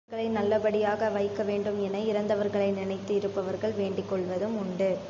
இருப்பவர்களை நல்லபடி யாக வைக்கவேண்டும் என, இறந்தவர்களை நினனந்து இருப்பவர்கள் வேண்டிக்கொள்வதும் உண்டு.